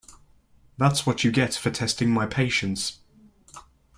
That’s what you get for testing my patience.